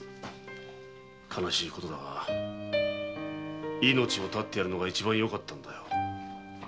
悲しいことだが命を絶ってやるのが一番よかったんだ。